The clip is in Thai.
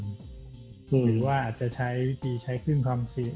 หรือว่าอาจจะใช้วิธีใช้คลื่นความเสี่ยง